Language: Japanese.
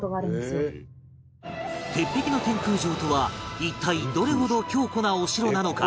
鉄壁の天空城とは一体どれほど強固なお城なのか？